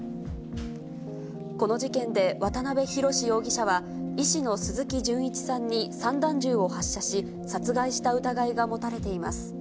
この事件で渡辺宏容疑者は、医師の鈴木純一さんに散弾銃を発射し、殺害した疑いが持たれています。